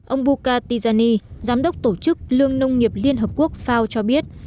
ông buka tijani giám đốc tổ chức lương nông nghiệp liên hợp quốc fao cho biết